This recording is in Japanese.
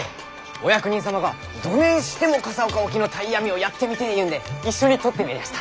お役人様がどねんしても笠岡沖の鯛網をやってみてぇいうんで一緒にとってめえりゃした。